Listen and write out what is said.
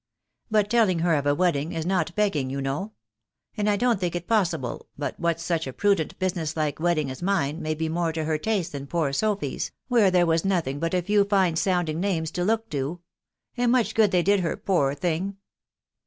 But telling her of a wedding is not begging, you know, .... and I don't think it impossible but what such a prudent, business like wedding as mine, may be more to her taste than poor Sophy's, where there was nothing but a few fine sounding names to look to .... and much good they did her, poor thing